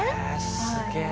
すげえ！